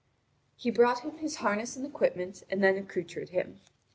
He brought him his harness and equipment, and then accoutred him.